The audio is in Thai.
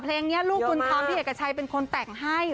เพลงนี้ลูกบุญธรรมพี่เอกชัยเป็นคนแต่งให้